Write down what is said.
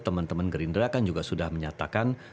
teman teman gerindra kan juga sudah menyatakan